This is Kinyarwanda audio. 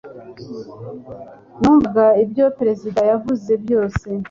Numvaga ibyo perezida yavuze byose